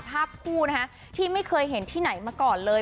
ภาพคู่นะคะที่ไม่เคยเห็นที่ไหนมาก่อนเลย